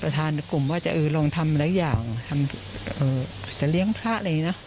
ประธานกลุ่มว่าจะลองทำอะไรอย่างจะเล้นไทรเลยน้ะ